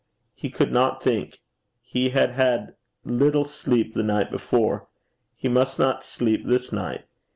He could not think. He had had little sleep the night before. He must not sleep this night.